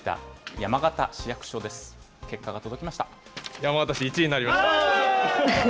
山形市、１位になりました。